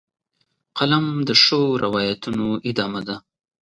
قلم د ښو روایتونو ادامه ده